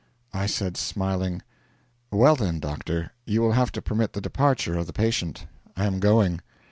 I said smiling: 'Well, then, doctor, you will have to permit the departure of the patient. I am going.'